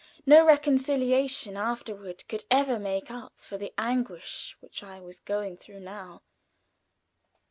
No reconciliation afterward could ever make up for the anguish which I was going through now.